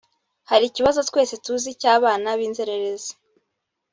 Hari ikibazo twese tuzi cy’abana b’inzererezi